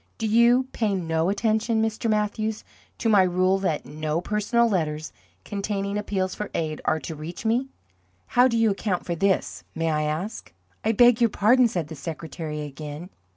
"Do you pay no attention, Mr. Mathews, to my rule that NO personal letters containing appeals for aid are to reach me? How do you account for this, may I ask?" "I beg your pardon," said the secretary again.